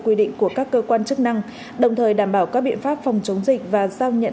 quy định của các cơ quan chức năng đồng thời đảm bảo các biện pháp phòng chống dịch và giao nhận